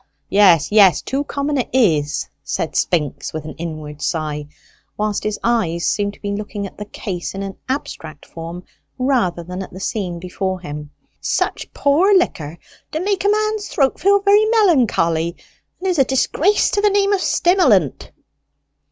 "Yes, yes; too common it is!" said Spinks with an inward sigh, whilst his eyes seemed to be looking at the case in an abstract form rather than at the scene before him. "Such poor liquor do make a man's throat feel very melancholy and is a disgrace to the name of stimmilent."